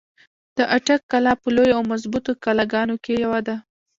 د اټک قلا په لويو او مضبوطو قلاګانو کښې يوه ده۔